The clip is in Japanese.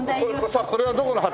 さあこれはどこの旗？